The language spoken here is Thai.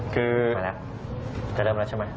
คือ